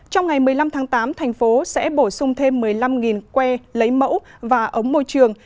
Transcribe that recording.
trong ngày một mươi năm tháng tám thành phố sẽ bổ sung thêm một mươi năm que lấy mẫu và ống môi trường